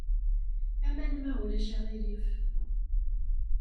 Aman, ma ulac aɣilif.